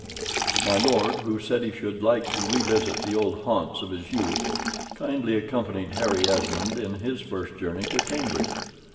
Mr lord, who said he should like to revisit the old haunts of his youth, kindly accompanied Harry Esmond in his first journey to Cambridge.